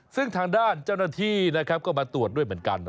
ซึ่งทางด้านเจ้าหน้าที่นะครับก็มาตรวจด้วยเหมือนกัน